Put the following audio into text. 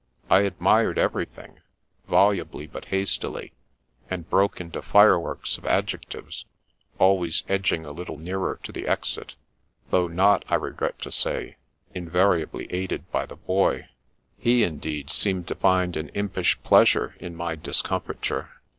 I admired everything, volubly but hastily, and broke into fireworks of adjectives, always edging a little nearer to the exit, though not, I regret to say, invariably aided by the i^y. He, indeed, seemed to find an impish pleasu^ in my discom fiture.